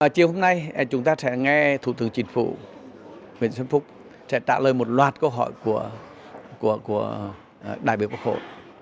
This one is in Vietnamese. chiều hôm nay chúng ta sẽ nghe thủ tướng chính phủ nguyễn xuân phúc sẽ trả lời một loạt câu hỏi của đại biểu quốc hội